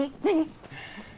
何？